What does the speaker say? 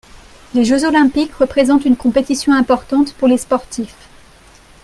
Les jeux olympiques représentent une compétition importante pour les sportifs.